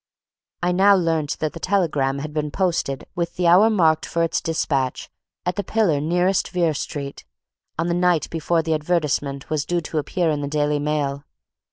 I now learnt that the telegram had been posted, with the hour marked for its despatch, at the pillar nearest Vere Street, on the night before the advertisement was due to appear in the Daily Mail.